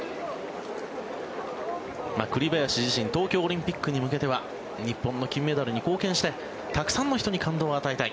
栗林自身東京オリンピックに向けては日本の金メダルに貢献したいたくさんの人に感動を与えたい